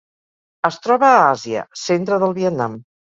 Es troba a Àsia: centre del Vietnam.